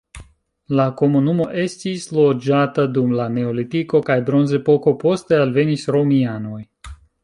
La komunumo estis loĝata dum la neolitiko kaj bronzepoko, poste alvenis romianoj.